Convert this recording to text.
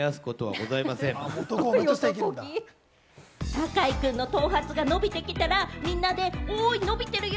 坂井くんの頭髪が伸びてきたらみんなでおい、伸びてるよ！